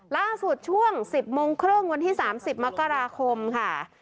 ล่าสุดช่วง๑๐โมงครึ่งวันที่๓๐มกราคมค่ะ